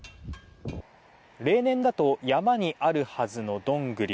例年だと山にあるはずのドングリ。